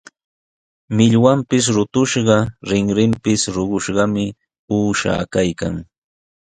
Millwanpis rutushqa, rinrinpis ruqushqami uusha kaykan.